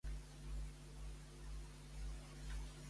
Posteriorment recopilats en una obra poètica?